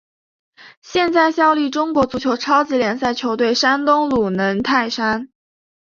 现在效力中国足球超级联赛球队山东鲁能泰山。